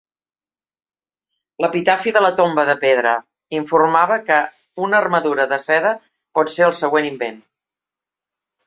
"L'epitafi de la tomba de pedra" informava que "una armadura de seda pot ser el següent invent.